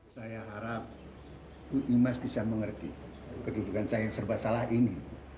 saya harap bu imas bisa mengerti kedudukan saya yang serba salah ini